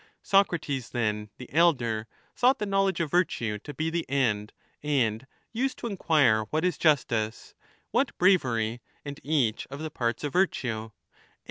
Socrates, then, the elder,^ thought the knowledge of virtue to be the end, and used to inquire what is justice, what 5 bravery and each of the parts of virtue ; and his conduct 15: cf.